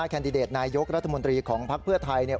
แคนดิเดตนายกรัฐมนตรีของภักดิ์เพื่อไทยเนี่ย